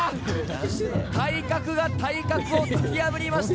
体格が体格を突き破りました。